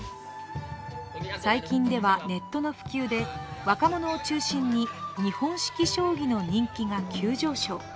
最近では、ネットの普及で若者を中心に日本式将棋の人気が急上昇。